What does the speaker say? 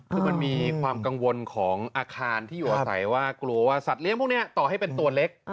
คือมันมีความกังวลของอาคารที่อยู่อาศัยว่ากลัวว่าสัตว์เลี้ยงพวกนี้ต่อให้เป็นตัวเล็ก